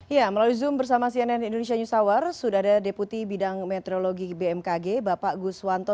ya melalui zoom bersama cnn indonesia news hour sudah ada deputi bidang meteorologi bmkg bapak guswanto